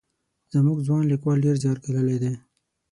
زموږ ځوان لیکوال ډېر زیار ګاللی دی.